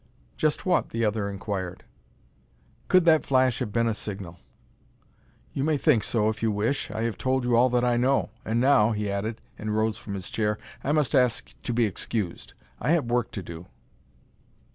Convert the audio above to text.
"Just what?" the other inquired. "Could that flash have been a signal?" "You may think so if you wish: I have told you all that I know. And now," he added, and rose from his chair, "I must ask to be excused; I have work to do."